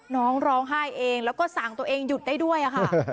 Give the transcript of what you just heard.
ร้องไห้เองแล้วก็สั่งตัวเองหยุดได้ด้วยค่ะ